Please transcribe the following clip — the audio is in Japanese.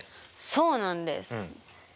そうなんです。